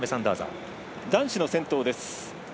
男子の先頭です。